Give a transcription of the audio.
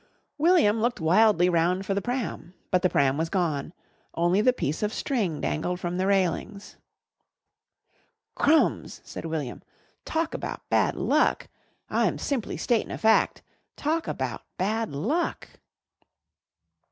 William looked wildly round for the pram, but the pram was gone only the piece of string dangled from the railings. "Crumbs!" said William, "Talk about bad luck! I'm simply statin' a fact. Talk about bad luck!"